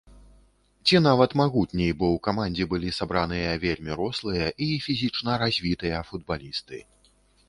Ці нават магутней, бо ў камандзе былі сабраныя вельмі рослыя і фізічна развітыя футбалісты.